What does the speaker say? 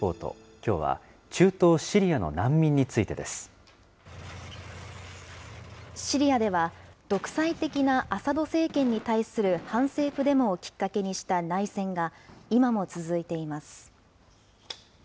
きょうは中東シリアの難民についシリアでは、独裁的なアサド政権に対する反政府デモをきっかけにした内戦が、今も続いています。